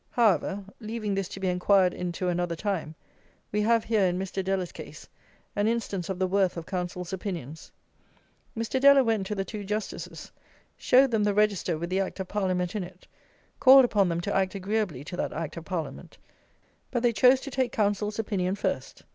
However, leaving this to be enquired into another time, we have here, in Mr. Deller's case, an instance of the worth of counsels' opinions. Mr. Deller went to the two Justices, showed them the Register with the Act of Parliament in it, called upon them to act agreeably to that Act of Parliament; but they chose to take counsels' opinion first.